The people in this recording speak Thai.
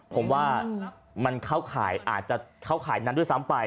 ผมว่ามันเข้าข่ายอาจจะเข้าข่ายนั้นด้วยซ้ำไป